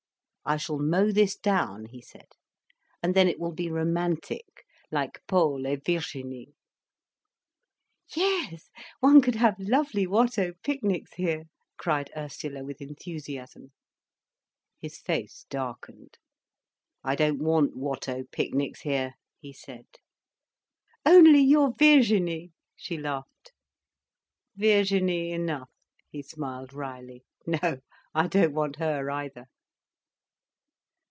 "I shall mow this down," he said, "and then it will be romantic—like Paul et Virginie." "Yes, one could have lovely Watteau picnics here," cried Ursula with enthusiasm. His face darkened. "I don't want Watteau picnics here," he said. "Only your Virginie," she laughed. "Virginie enough," he smiled wryly. "No, I don't want her either."